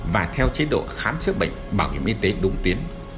và theo chế độ khám chữa bệnh bảo hiểm y tế đúng tuyến